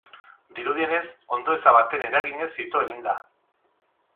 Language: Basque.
Dirudienez, ondoeza baten eraginez ito egin da.